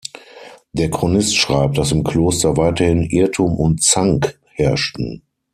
Der Chronist schreibt, dass im Kloster weiterhin „Irrtum und Zank“ herrschten.